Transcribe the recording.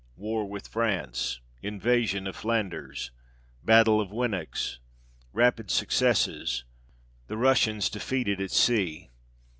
War with France. Invasion of Flanders. Battle of Winox. Rapid successes. The Russians defeated at sea.